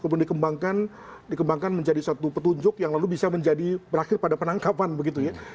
kemudian dikembangkan menjadi satu petunjuk yang lalu bisa menjadi berakhir pada penangkapan begitu ya